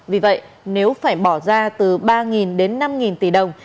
vì vậy nếu phải bỏ ra từ ba đến năm tỷ đồng